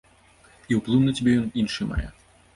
І ўплыў на цябе ён іншы мае.